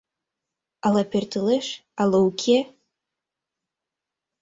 Ала пӧртылеш, ала уке?..